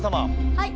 はい。